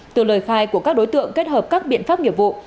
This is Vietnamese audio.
từ lời khai của các đối tượng kết hợp các biện pháp nghiệp vụ